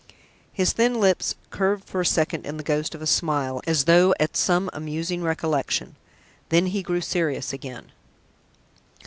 His thin lips curved for a second in the ghost of a smile, as though at some amusing recollection. Then he grew serious again.